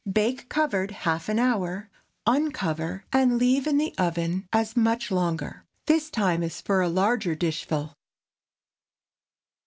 Bake covered half an hour; uncover and leave in the oven as much longer. This time is for a large dishful.